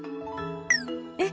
えっ！